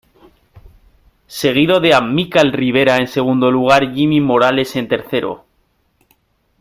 Seguido de Amílcar Rivera en segundo lugar Jimmy Morales en tercero.